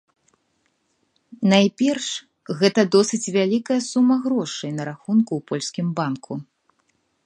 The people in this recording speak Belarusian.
Найперш гэта досыць вялікая сума грошай на рахунку ў польскім банку.